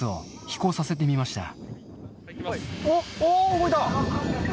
動いた。